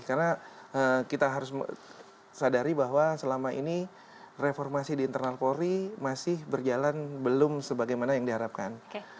karena kita harus sadari bahwa selama ini reformasi di internal polri masih berjalan belum sebagaimana yang diharapkan